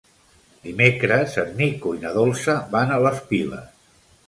Dimecres en Nico i na Dolça van a les Piles.